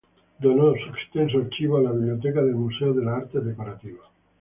Donó su extenso archivo a la biblioteca del Museo de las Artes Decorativas.